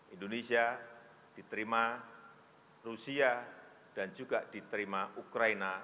indonesia diterima rusia dan juga diterima ukraina